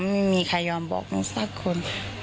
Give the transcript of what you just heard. ไม่มีใครยอมบอกหนูสักคน